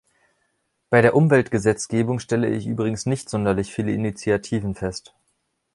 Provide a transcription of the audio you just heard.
Bei der Umweltgesetzgebung stelle ich übrigens nicht sonderlich viele Initiativen fest.